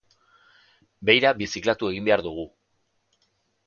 Beira birziklatu egin behar dugu.